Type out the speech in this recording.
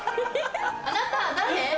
あなたは誰？